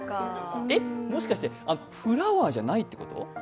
もしかしてフラワーじゃないってこと？